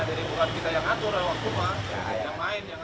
jadi bukan kita yang atur waktu mah